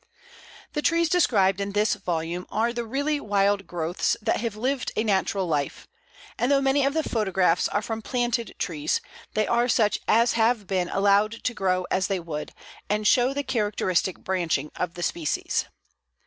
The trees described in this volume are the really wild growths that have lived a natural life; and though many of the photographs are from planted trees, they are such as have been allowed to grow as they would, and show the characteristic branching of the species.